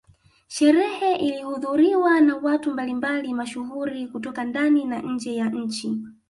Sherehe ilihudhuriwa na watu mbali mbali mashuhuri kutoka ndani na nje ya nchini